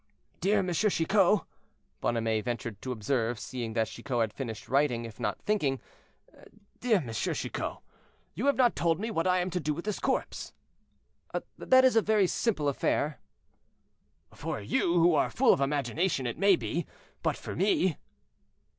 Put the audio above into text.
"Dear Monsieur Chicot," Bonhomet ventured to observe, seeing that Chicot had finished writing, if not thinking, "Dear Monsieur Chicot, you have not told me what I am to do with this corpse."—"That is a very simple affair." "For you, who are full of imagination, it may be, but for me?"